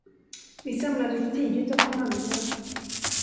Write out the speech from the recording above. Vi samlades tidigt och mangrant.